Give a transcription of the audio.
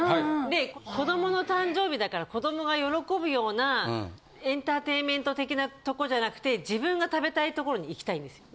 で子供の誕生日だから子供が喜ぶようなエンターテインメント的なとこじゃなくて自分が食べたいところに行きたいんですよ。